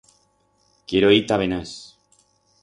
Quiero ir ta Benás.